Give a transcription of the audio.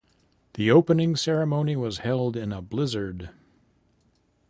The opening ceremony was held in a blizzard.